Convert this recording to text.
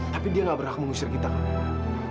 tapi dia tidak berhak mengusir kita kak mila